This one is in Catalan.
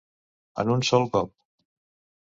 En un sol cop.